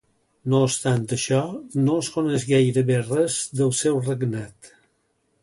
No obstant això, no es coneix gairebé res del seu regnat.